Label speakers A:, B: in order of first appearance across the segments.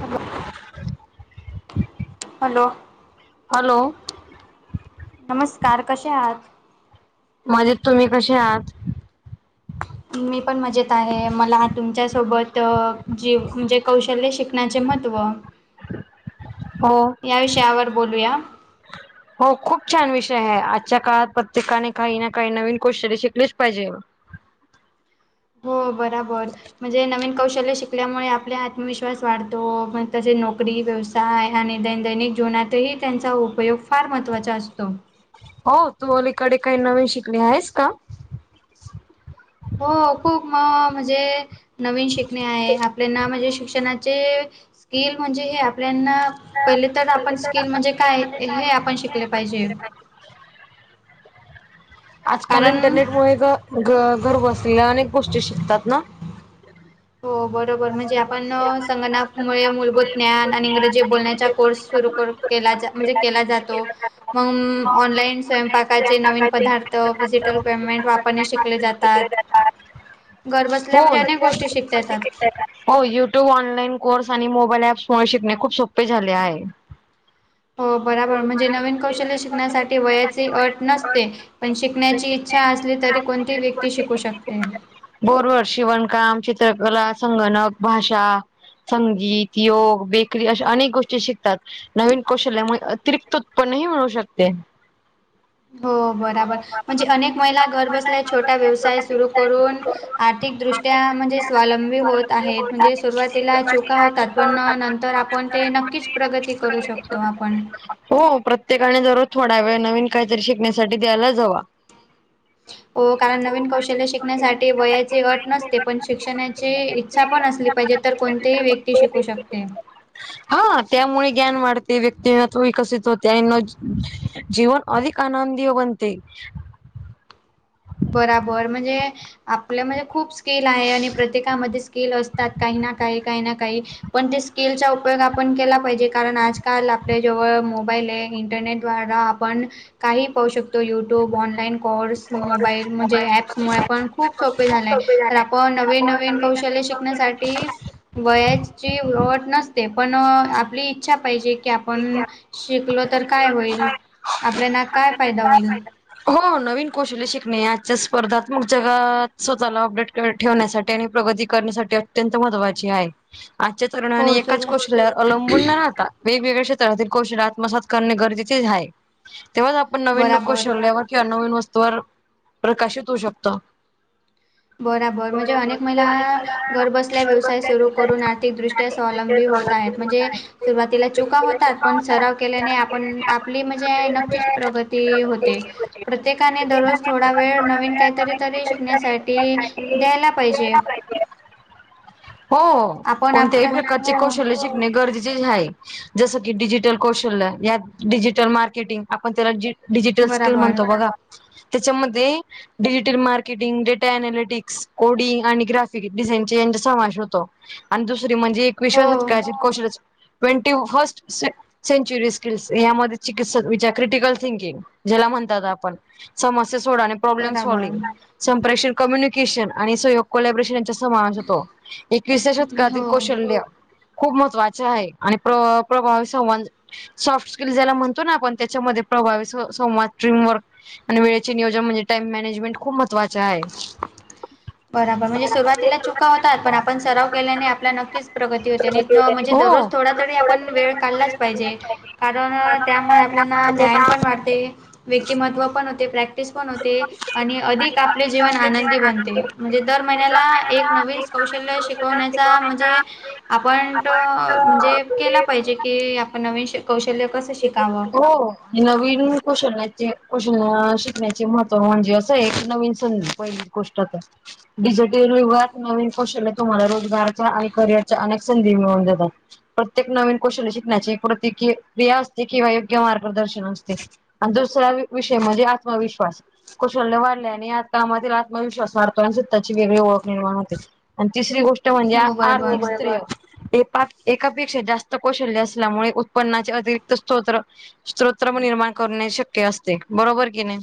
A: Hello hello
B: hello
A: नमस्कार कसे आहात
B: म्हणजे तुम्ही कसे आहात
A: मी पण मजेत आहे मला तुमच्यासोबत जीव म्हणजे कौशल्य शिक आपण्याचे महत्त्व
B: हो
A: या विषयावर बोलूया
B: हो खूप छान विषय आहे आजच्या काळात प्रत्येकाने काही ना काही नवीन कशरी शिकलेच पाहिजे
A: हो बराबर म्हणजे नवीन कौशल्य शिक आप आपल्यामुळे आपल्या आत्मविश्वास वाढतो पग तसे नोकरी व्यवसाय हा आणि दैन दैनिक जीवनातही त्यांचा उपयोग फार महत्त्वाचा असतो
B: हो तुम्हालाकडे काही नवीन शिकले आहेस का
A: हो खूक मग म्हणजे नवीन शिकणे आहे आपल्याना म्हणजे शिक्षणाचे स्किल म्हणजे हे आपना पहिले तर आपण स्किल म्हणजे काय हे आपण शिकले पाहिजे ह
B: आजकाल इंटरनेट मु घर बसलेल्या अनेक गोष्टी शिकतात ना
A: हो बर बरोबर म्हणजे आपण संगनामुळे मूलभूत ज्ञान आणि इंग्रजी बोलण्याचा कोर्स सुरू करू केला म्हणजे केला जातो मग ऑनलाईन स्वयंपाकाचे नवीन पदार्थ डिजिटल पेमेंट वापरणे शिकले जातात घर बसल्या म्हणजे
B: होय.
A: अनेक गोष्टी शिकता येतात
B: हो युट्यूब ऑनलाईन कोर्स आणि मोबाईल ऍप्समुळे शिकणे खूप सोपे झाले आहे
A: हो बराबर म्हणजे नवीन कौशल्य शिकण्यासाठी वयाची अट नसते पण शिकण्याची इच्छा असली तरी कोणती व्यक्ती शिकू शकते
B: बोरवरर शिवणकाम चित्रकला संगणक भाषा संगीत योग बेकरी अशा अनेक गोष्टी शिकतात नवीन कौशल्यामुळे अतिरिक्त उत्पन्नही मिळू शकते
A: हो बराबर म्हणजे अनेक महिला घर बसल्या छोटा व्यवसाय सुरू करून आर्थिकदृष्ट्या म्हणजे स्वलंबी म्हणजे सुरवातीला चुका होतात पण नंतर आपण ते नक्कीच प्रगती करू शकतो तो आपण
B: हो प्रत्येक ते कारणे जरज थोडा वेळ नवीन काहीतरी शिकण्यासाठी द्यायला जावा
A: हो कारण नवीन कौशल्य शिकण्यासाठी वयाची अट नसते पण शिक्षणा इच्छा पण असली पाहिजे तर कोणतीही व्यक्ती शिकू शकते
B: हा त्यामुळे ज्ञान वाढते व्यक्तीव विकसित होतेना जीवन अधिक आनंदी हो बते
A: बरोबर म्हणजे आपल्यामध्ये खूप स्किल आहे आणि प्रत्येकामध्ये स्किल असतात काही ना काही काही ना काही पण ते स्किलचा उपयोग आपण केला पाहिजे कारण आजकाल आपल्या जेवळ मोबाईल आहे इंटरनेट आप काही पाहू शकतो युट्यूब ऑनलाईनर् मोबाईल म्हणजे ॲप्समुळे पण खूप सोपे झालं आहे तर आपण नवीन नवीन कौशल्य शिकण्यासाठी वयाची ओट नसते पण आपली इच्छा पाहिजे की आपण शिकलो तर काय होईल आपल्याना काय फायदा होईल
B: हो नवीन कौशली शिकणे आजच्या स्पर्धात मग जगात स्वतःला अपडेट ठेवण्यासाठी आणि प्रगती करण्यासाठी अत्यंत महत्त्वाची आहे आजच्या तरुणाने
A: हो
B: एकाच
A: सुरू
B: कसल्यावर अवलंबून न राहतात वेगवेगळ्या क्षेत्रातील कौशल आत्मसात करणे गरजेचेच आहे तेव्हा पण नवीन नको
A: बराबर
B: शरल्यावर किंवा नवीन वस्तूवर प्रकाशित होऊ शकत
A: बराबर म्हणजे अनेक महिला घरबसल्या व्यवसाय सुरू करून आर्थिक दृष्ट स्वी होत म्हणजे सुरुवातीला चुका होतात पण सराव केल्याने आपण आपली म्हणजे नक्कीच प्रगती होते प्रत्येकाने दररोज थोडा वेळ नवीन काहीतरी तरी शिकण्यासाठी द्यायला पाहिजे
B: हो
A: आपण
B: कोणत्याही
A: आपला
B: प्रकारचे
A: हो,
B: कौशल्य शिकणे गरजेचेच आहे जस की डिजिटल कौशल्य या डिजिटल मार्केटिंग आपण त्याला डिजिटल स्किल
A: बरोबर.
B: म्हणतो बघा त्याच्यामध्ये digital marketing data analytics coding आणि ग्राफिक डिझाईन यांचा समावेश होतो आणि दुसरी म्हणजे एक
A: हो,
B: विश्वसतका कौशल ट्वेंटी फर्स्ट सेंचुरी स्किल्स यामध्ये चिकित् विचार क्रिटिकल थिंकिंग ज्याला म्हणतात आपण मस्या सोडा आणि प्रॉब्लेम
A: बरोबर.
B: सॉल्विंग संप्रेक्षण कम्युनिकेशन आणि सहयोग कोलब्रेशन यांच्या माणत होतो एकवीस्या शतकातील
A: हो.
B: कौशल्य खूप महत्त्वाचे आहे आणि प्र प्रभावी संवा सॉफ्ट स्किल ज्याला म्हणतो ना आपण त्याच्यामध्ये प्रभावी संवाद स्ट्रीम वर्क आणि वेळेचे नियोजन म्हणे टाम मॅनेजमेट खूपच महत्वाच आहे [inaudible]
A: बरोबर म्हणजे सुरुवातीला चुका होतात पण आपण सराव केल्याने आपला नक्कीच प्रगती होते नाही म्हणजे दररोज
B: हो.
A: थोडा आपण वेळ काढलाच पाहिजे कारण त्यामुळे आपल्यालाच न्याय व्यक्तिमत्व पण होते आणि प्रॅक्टिस पण होते आणि अधिक जीवन आनंदी बनते म्हणजे दर महिन्याला एक नवीन कौशल्य शिकवण्याचा म्हणजे आपण म्हणजे केला पाहिजे की आपण नवीन कौशल्य कसं शिकावं
B: हो नवीन कशलण्याचे कशल ण्याचे महत्त्व म्हणजे असं एक नवीन संधी पहिली गोष्ट आता डिजिटल युगात नवीन कौशल्य तुम्हाला रोजगारच्या आणि करिअरच्या अनेक संधी मिळवून देतात प्रत्येक नवीन कौशल्य शिकण्याची प्रतय क्रिया असते किंवा योग्य मार्गदर्शन असते आणि दुसरा विषय म्हणजे आत्मविश्वास कौशल्य वाढल्या आणि या कामातील आत्मविश्वास वाढतो आणि स्वतःची वेगळी ओळख निर्माण होते आणि तिसरी गोष्ट म्हणजे
A: हो, बरोबर.
B: आर्थिक स्त्रिय पा एकापेक्षा जास्त कौशल्य असल्यामुळे उत्पन्नाचे अतिरिक्त स््रोत्र स््रोत्र पण निर्माण करणे शक्य असते बरोबर कि नाही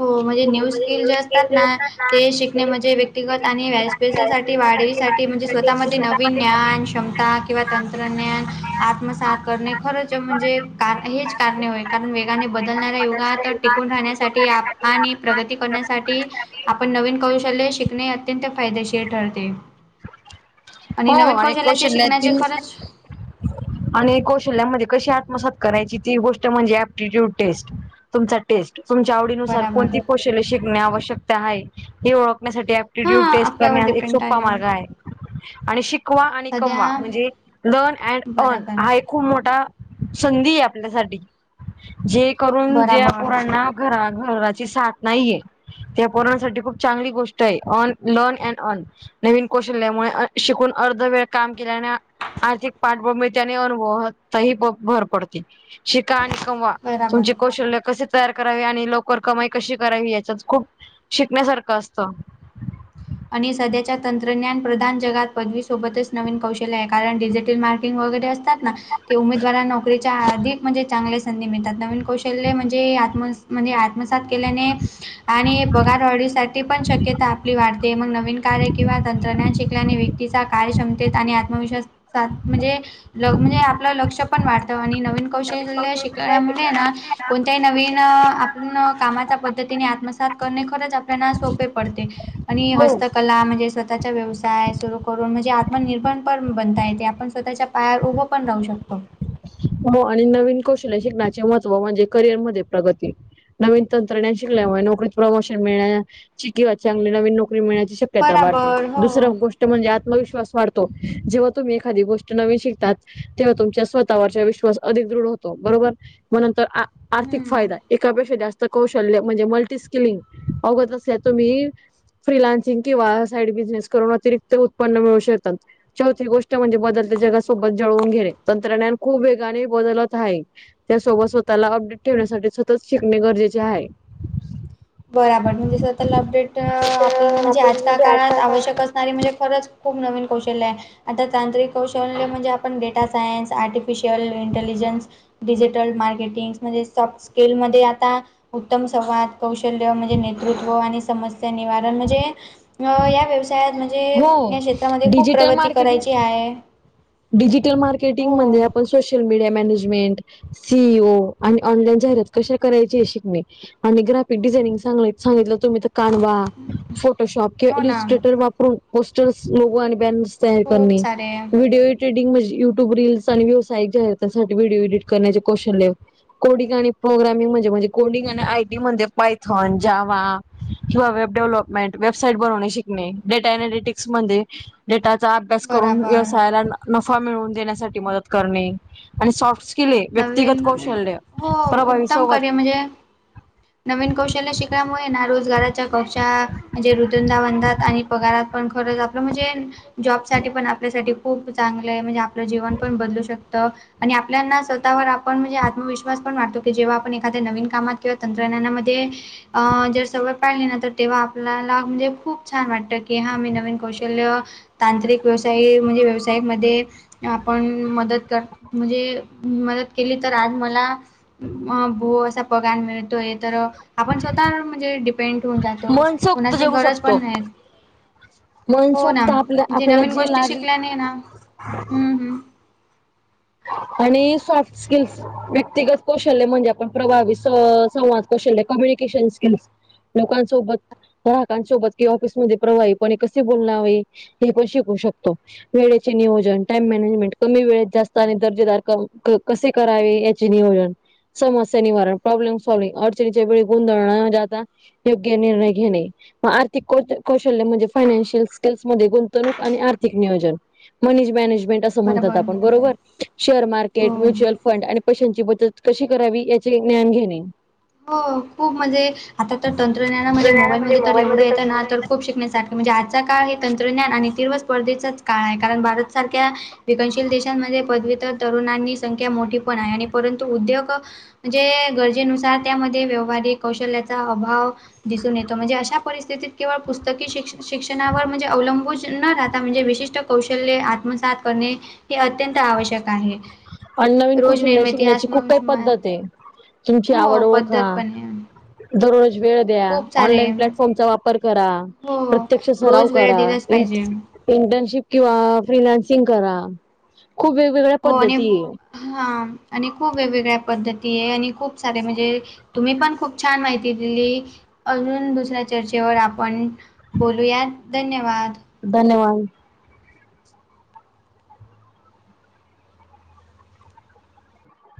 A: हो म्हणजे न्यू स्किल जे असतात ना ते शिकणे म्हणजे व्यक्तिगत आणि व अभ्यासासाठी वाढवीसाठी म्हणजे स्वतःमध्ये नवीन ज्ञान क्षमता किंवा तंत्रज्ञान आत्मसात खरच म्हणजे हेच कारणेय कारण वेगाने बदलणाऱा युगा तर टिकून राहण्या आणि प्रगती करण्यासाठी आपण नवीन कौशल्य शिकणे अत्यंत फायदेशीर ठरते
B: हो
A: आणि नवीन कौशल्याचे शिकण्याचे
B: कौशल्यातील
A: खरंच
B: आणि कौशल्यामध्ये कशी आत्मसात करायची ती गोष्ट म्हणजे ऍप्टिट्यूड टेस्ट तुमचा टेस्ट तुमच्या आवडीनुसार
A: बराबर.
B: कोणती कौशल्य शिकणे आवश्यकता आहे हे ओळखण्यासाठी ्य
A: हां,
B: टेस्ट कर
A: आपल्यावर
B: एक सो
A: डिपेंड
B: मार्ग आहे आणि शिकवा आणि कमवा
A: सध्या
B: म्हणजे लन अड अर्न
A: बराबर,
B: हा एक खूप मोठा संधी आहे आपल्यासाठी जे करून जे
A: बराबर,
B: पुरांना घरा घराची साथ नाहीये त्या पुरवण्यासाठी खूप चांगली गोष्ट आहे अन लर्न अनड अन नवीन कौशल्यामुळे अर्धवेळ काम केल्याने आर्थिक पारठबवूमीतीने अनुभवतही भर पडते शिका आणि कमवा
A: बराबर.
B: तुमचे कौशल्य कसे तयार करावी आणि लवकर कमाई कशी करावी याच्या खूप शिकण्यासारखं असतं
A: आणि सध्याच्या तंत्रज्ञान प्रधान जगात पदवी सोबतच नवीन कौशल्य आहे कारण डिजिटल मार्क ंग वगैरे असतात ना ते उमेदवारा नोकरीच्या अधिक म्हणजे चांगले संधी मिळतात नवीन कौशल्य म्हणजे आत्म म्हणजे आत्मसात केल्याने आणि पगार वाढणीसाठी पण शक्यता आपली वाढती ते मग नवीन कार्य किंवा तंत्रज्ञान शिकल्याने व्यक्तीचा कार्यक्ष्मतेत आणि आत्मविश्वास म्हणजे म्हणजे आपलं लक्ष पण वाढत आणि नवीन कौश शिकमुळे कोणत्याही नवीन पण कामाच्या पद्धतीने आत्मसात करणे खरंच आपल्याना सोपे पडते आणि
B: हो
A: हस्तकला म्हणजे स्वतःचा व्यवसाय सुरू करून म्हणजे आत्मनिर्भर पण बनता येते आपण स्वतःच्या पायार उभं पण राहू शकतो
B: हो आणि नवीन कौशल्य शिकण्याचे महत्त्व म्हणजे करिअरमध्येध्ये प्रगती नवीन तंत्रज्ञान शिकल्यामुळे नोकरीत प्रमोशन मिळण्याची किंवा चांगली नवीन नोकरी मिळण्याची शक श्य वाढते
A: बराबर हो.
B: दुसर गोष्ट म्हणजे आत्मविश्वास वाढतो जेव्हा तुम्ही एखादी गोष्ट नवीन शिकताात तेव्हा तुमच्या स्वतःवरचा विश्वास अधिक दृढ होतो बरोबर मग नंतर आर्थिक
A: हं.
B: फायदा आहे एकापेक्षा जास्त कौशल्य म्हणजे मल्टीस्किलिंग अवगत असल्या तुम्ही फ्रीिलान्सिंग किंवा साईड बिझनेस करून अतिरिक्त उत्पन्न मिळू शकतात चौथी गोष्ट म्हणजे बदलत जगासोबत जळवून घे तंत्रज्ञान खूप वेगाने बदलत आहे त्यासोबत स्वतःला अपडेट ठेवण्यासाठी सतत शिकणे गरजेचे आहे
A: बर म्हणजे स्वतःला अपडेट आपल्या म्हणजे आजच्या काळात आवश्यक अस नारी म्हणजे खरंच खूप नवीन कौशल्य आहे आता तांत्रिक कौशल्य म्हणजे आपण data science artificial intelligence digital marketing म्हणजे सॉफ्ट स्कीलमध्ये आता उत्तम संवाद कौशल्य म्हणजे नेतृत्व आणि समस्या निवारण म्हणजे व म्हणजे
B: हो
A: या क्षेत्रामध्ये खूप
B: डिजिटल
A: प्रगती
B: मार्केटिंग
A: करायची आहे
B: डिजिटल
A: हो.
B: मार्केटिंग म्हणजे आपण सोशल मीडिया मॅनेजमेंट सीईओ आणि ऑनलाईन जाहिरात कशा करायची शिकणे आणि ग्राफिक डिझाइनिंग सांग सांगितलं तुम्ही तर कानवा फोटोशॉप किंवा
A: हो ना.
B: एडिस्ट्रेटर वापरून पोस्टर्स लोगॉस आणि बॅनर् शेअर
A: खूप
B: करणे
A: सारे.
B: व्हिडिओ ट्रेडिंग म्हणे युट्यूब रीलस आणि व्हीव्स आणि जाहिराती आहेत त्यासाठी व्हिडीओ इडीट करणे कोडिंगा आणि प्रोग्रामिंग म्हणजे म्हणजे कोडिंगा आणि आयडी म्हणजे पायथॉन जावा किंवा वेब डेव्हलपमेंट वेबसाइट बनवणे शिकणे डेटा अनलिटिक्स मध्ये डेटाचा अभ्यास करून
A: बरोबर.
B: व्यवसायाला नफा मिळवून देण्यासाठी मदत करणे आणि सॉफ्ट केले
A: नवीन
B: व्यक्तिगत कौशल्य
A: हो,
B: प्रभावी
A: उत्तम
B: सत
A: करिअर म्हणजे नवीन कौशल्य शिकण्यामुळे ना रोजगाराच्या कशा म्हणजे रुदुंदावधात आणि पगारात पण खरंच आपलं म्हणजे जॉब साठी पण आपल्यासाठी खूप चांगलं आहे म्हणजे आपलं जीवन पण बदलू शकतं आणि आपल्याना स्वतःवर आपण म्हणजे आत्मविश्वास पण वाटतो की जेव्हा आपण एखाद्या नवीन कामात तंत्रज्ञानामध्ये अं जर सवय पाळली ना तर तेव्हा आपल्याला म्हणजे खूप छान वाटत की हा मी नवीन कौशल्य तांत्रिक व्यवसाय म्हणजे व्यवसायमध्ये आपण मदत कर म्हणजे मदत केली तर आज मला भू असा पगार मिळतोय तर आपण स्वतः म्हणजे पेंट होऊन जातो
B: मनसोक्त
A: कोणाची
B: जगू
A: गरज पण
B: शकतो
A: नाही हो ना
B: मनसोक्त आपल्या
A: म्हणजे
B: आपल्याला
A: नवीन
B: जी
A: गोष्टी
B: लागेल
A: शिकल्याने ना हम्म हम्म
B: आणि सॉफ्ट स्किल्स व्यक्तिगत कौशल्य म्हणजे आपण प्रभावी संवाद कौशल्य कम्युनिकेशन स्किल्स लोकांसोबत ग्राहकांसोबत किंवा ऑफिसमध्ये प्रवाही कोणे कसे बोलणवे हे पण शिकू शकतो वेळेचे नियोजन टाइम मॅनेजमेंट कमी वेळेत जास्त दर्जेदार कसे करावे याचे नियोजन समस्या निवारण प्रॉब्लेम सॉल्ंग अडचणीच्या वेळी गुंधळ न जात योग्य निर्णय घेणे मग आर्थिक कौशल्य म्हणजे फायनान्शियल स्किल्समध्येध्ये गुंतवणूक आणि आर्थिक नियोजन मनी मॅनेजमेंट असं म्हणतात
A: बरोबर
B: आपण बरोबर शेअर मार्केट
A: हो
B: म्युच्युअल फं फंड आणि पैशांची बचत कशी करावी याचे ज्ञान घेणे
A: हो खूप म्हणजे आता तर तंत्रज्ञानामध्ये मोबाईलमध्ये तर एवढं येतं ना तर खूप शिकण्यासाठी म्हणजे आजचा काळ हे तंत्रज्ञान आणि तीव्र स्पर्धेचा काळ आहे कारण भारत सारख्या विकनशील देशांमध्ये पदव्युतर तरुणांनी संख्या मोठी पण आहे आणि परंतु उद्योग म्हणजे गरजेनुसार त्यामध्ये व्यवहारिक कौशल्याचा अभाव दिसून येतो म्हणजे अशा परिस्थितीत केवळ पुस्तकी श शिक्षणावर म्हणजे अवलंबून न राहता म्हणजे विशिष्ट कौशल्य आत्मसात करणे हे अत्यंत आवश्यक आहे
B: अण् नवीन कौशल्य
A: रोजनिर्मिती
B: शिकण्याची खूप काही
A: आश्मयुष्मान
B: पद्धत आहे तुमची आवड
A: हो, पद्धत
B: ओळखा
A: पण आहे.
B: दररोज वेळ
A: खूप सारे
B: ऑनलान प्लफॉर्मचा वापर करा
A: हो
B: प्रत्यक्ष सराव
A: रोज वेळ
B: करा
A: दिलाच पाहिजे
B: इंटर्नशिप किंवा फ्रिनान्सिंग करा खूप वेग
A: हो आणि हा आणि खूप वेगवेगळ्या पद्धती आहे आणि खूप सारे म्हणजे तुम्ही पण खूप छान माहिती दिली अजून दुसऱ्या चर्चेवर आपण बोलूयात धन्यवाद
B: धन्यवाद